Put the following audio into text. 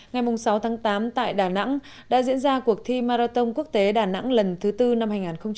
ngày sáu tháng tám tại đà nẵng đã diễn ra cuộc thi marathon quốc tế đà nẵng lần thứ tư năm hai nghìn một mươi chín